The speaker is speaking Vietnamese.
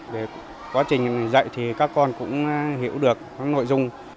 về quá trình dạy thì các con cũng hiểu được nội dung